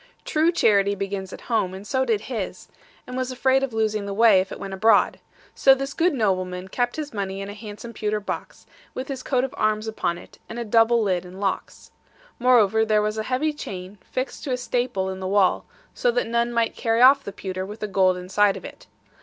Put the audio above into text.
True charity begins at home, and so did his; and was afraid of losing the way, if it went abroad. So this good nobleman kept his money in a handsome pewter box, with his coat of arms upon it, and a double lid and locks. Moreover, there was a heavy chain, fixed to a staple in the wall, so that none might carry off the pewter with the gold inside of it.